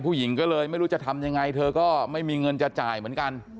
ผู้หญิงก็เลยไม่รู้จะทำยังไงเธอก็ไม่มีเงินจะจ่ายเหมือนกัน